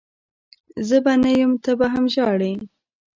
زه به نه یم ته به ژهړي